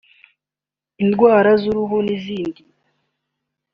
indwara z’uruhu n’izindi